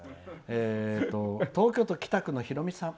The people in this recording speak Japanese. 東京都北区のひろみさん。